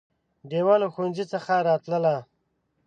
ډېوه له ښوونځي څخه راتلله